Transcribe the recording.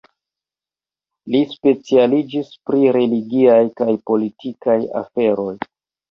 Li specialiĝis pri religiaj kaj politikaj aferoj.